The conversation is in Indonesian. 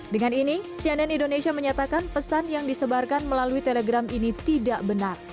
dengan ini cnn indonesia menyatakan pesan yang disebarkan melalui telegram ini tidak benar